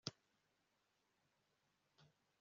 sinifuzaga kwandika iki gisigo